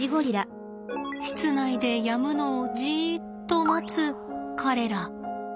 室内でやむのをじっと待つ彼ら。